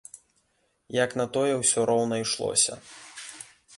Як на тое ўсё роўна ішлося.